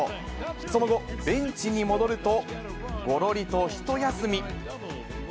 その後、ベンチに戻ると、ごろりとひと休み。